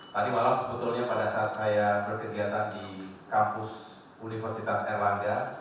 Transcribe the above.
tadi malam sebetulnya pada saat saya berkegiatan di kampus universitas erlangga